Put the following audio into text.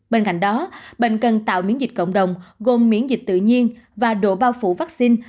bên cạnh đó bệnh cần tạo miễn dịch cộng đồng gồm miễn dịch tự nhiên và độ bao phủ vaccine